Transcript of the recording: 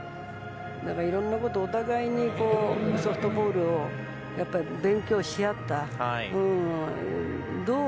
いろんなことお互いにソフトボールを勉強し合った。